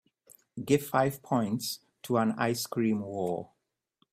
Give five points to An Ice-Cream War